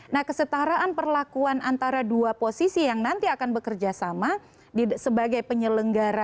nah kesetaraan perlakuan antara dua posisi yang nanti akan bekerja sama sebagai penyelenggara